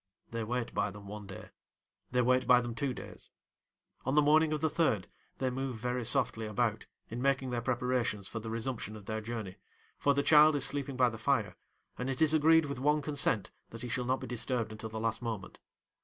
They wait by them one day, they wait by them two days. On the morning of the third, they move very softly about, in making their preparations for the resumption of their journey; for, the child is sleeping by the fire, and it is agreed with one consent that he shall not be disturbed until the last moment.